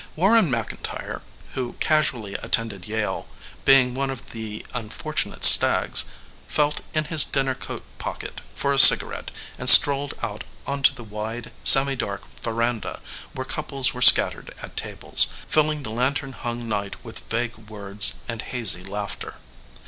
Warren McIntyre, who casually attended Yale, being one of the unfortunate stags, felt in his dinner coat pocket for a cigarette and strolled out onto the wide, semidark veranda, where couples were scattered at tables, filling the lantern hung night with vague words and hazy laughter.